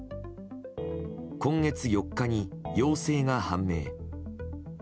今月４日に陽性が判明。